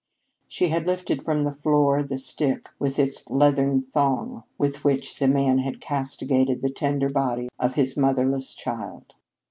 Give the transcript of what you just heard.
She had lifted from the floor the stick with its leathern thong with which the man had castigated the tender body of his motherless child.